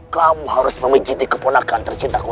kamu harus memiliki keponakan tercintaku